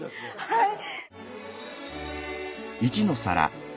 はい。